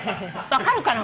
分かるかな？